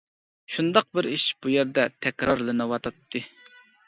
شۇنداق بىر ئىش بۇ يەردە تەكرارلىنىۋاتاتتى.